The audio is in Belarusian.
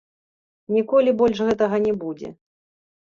Ніколі больш гэтага не будзе.